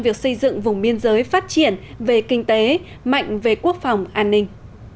việc xây dựng vùng biên giới phát triển về kinh tế mạnh về quốc phòng an ninh